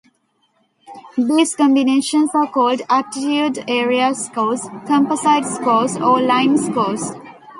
These combinations are called "aptitude area scores", "composite scores", or "line scores".